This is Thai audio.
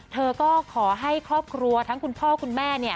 เธอก็ขอให้ครอบครัวทั้งคุณพ่อคุณแม่เนี่ย